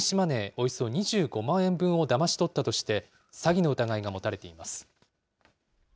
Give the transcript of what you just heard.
およそ２５万円分をだまし取ったとして、詐欺の疑いが持たれています。